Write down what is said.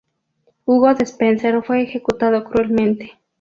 Hugo Despenser fue ejecutado cruelmente.